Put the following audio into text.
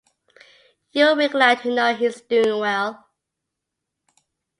You'll be glad to know he's doing well.